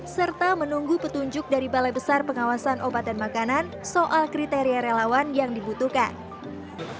serta menunggu petunjuk dari balai besar pengawasan obat dan makanan soal kriteria relawan yang dibutuhkan